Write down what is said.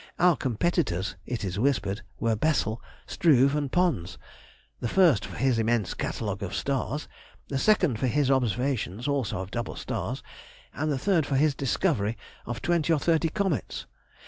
Our competitors, it is whispered, were Bessel, Struve, and Pons, the first for his immense catalogue of stars; the second for his observations, also of double stars; the third for his discovery of twenty or thirty comets.